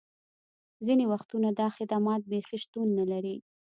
ځینې وختونه دا خدمات بیخي شتون نه لري